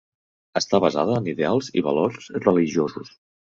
Està basada en ideals i valors religiosos.